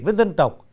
với dân tộc